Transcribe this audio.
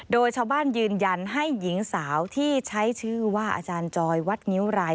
โดยชาวบ้านยืนยันให้หญิงสาวที่ใช้ชื่อว่าอาจารย์จอยวัดงิ้วราย